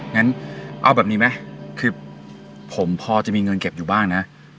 งั้นเอาแบบนี้ไหมคือผมพอจะมีเงินเก็บอยู่บ้างนะ